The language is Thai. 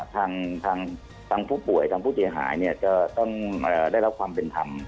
ทางผู้ป่วยทางผู้เสียหายจะต้องได้รับความเป็นธรรม